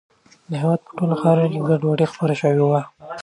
د هېواد په ټولو ښارونو کې ګډوډي خپره شوې وه.